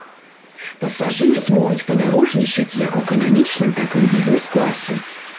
Пасажыры змогуць падарожнічаць як у эканамічным, так і ў бізнес-класе.